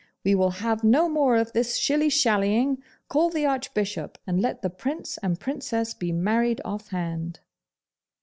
'We will have no more of this shilly shallying! Call the Archbishop, and let the Prince and Princess be married offhand!